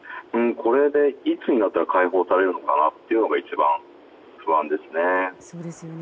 いつになったら解放されるのかなというのが一番、不安ですね。